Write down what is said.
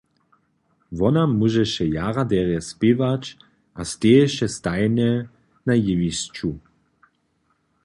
Wona móžeše jara derje spěwać a steješe stajnje na jewišću.